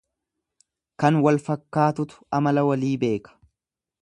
Kan wal fakkaatutu amala walii beeka.